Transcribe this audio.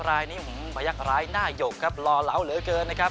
รายนี้พยักษร้ายหน้าหยกครับหล่อเหลาเหลือเกินนะครับ